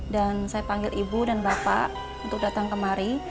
dan saya panggil ibu dan bapak untuk datang kemari